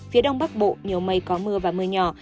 phía đông bắc bộ nhiều mây có mưa và mưa nhỏ